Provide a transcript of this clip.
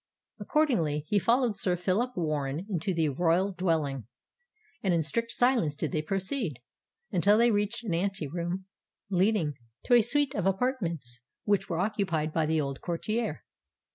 Accordingly, he followed Sir Phillip Warren into the royal dwelling; and in strict silence did they proceed, until they reached an ante room leading to a suite of apartments which were occupied by the old courtier.